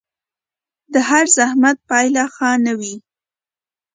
د هر زحمت پايله ښه نه وي